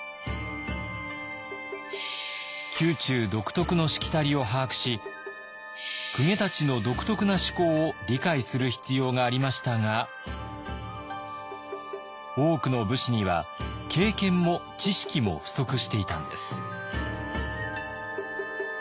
宮中独特のしきたりを把握し公家たちの独特な思考を理解する必要がありましたが多くの武士には経験も知識も不足していたんです。